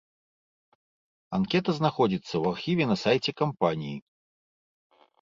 Анкета знаходзіцца ў архіве на сайце кампаніі.